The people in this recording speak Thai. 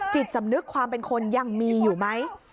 จิตสำนึกความเป็นคนยังมีอยู่ไหม